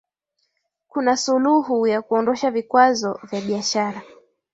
Kuna Suluhu ya kuondosha vikwazo vya biashara